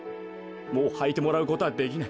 もうはいてもらうことはできない。